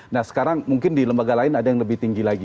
nah sekarang mungkin di lembaga lain ada yang lebih tinggi lagi